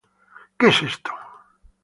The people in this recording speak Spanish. Qué es esto?